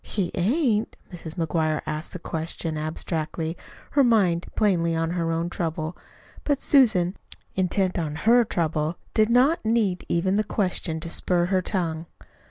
"He ain't?" Mrs. McGuire asked the question abstractedly, her mind plainly on her own trouble; but Susan, intent on HER trouble, did not need even the question to spur her tongue.